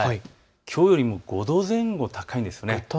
きょうよりも５度前後高いんです。